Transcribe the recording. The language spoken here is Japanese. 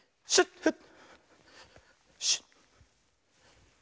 フッ！